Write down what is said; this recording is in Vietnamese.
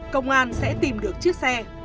công an sẽ tìm được chiếc xe